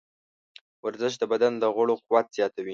ورزش د بدن د غړو قوت زیاتوي.